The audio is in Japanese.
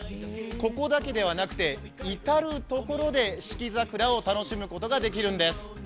ここだけではなく至る所で四季桜を楽しむことができるんです。